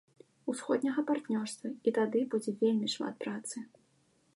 Усходняга партнёрства, і тады будзе вельмі шмат працы.